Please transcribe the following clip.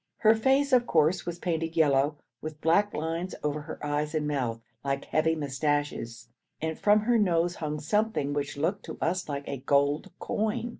Her face, of course, was painted yellow, with black lines over her eyes and mouth like heavy moustaches, and from her nose hung something which looked to us like a gold coin.